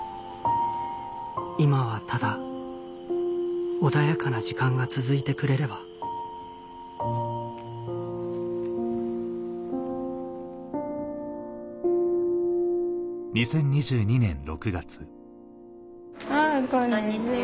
今はただ穏やかな時間が続いてくれればあぁこんにちは。